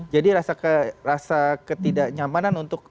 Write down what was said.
jadi rasa ketidaknyamanan untuk